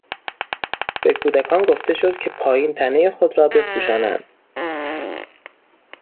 به کودکان گفته شد که پایین تنهی خود را بپوشانند.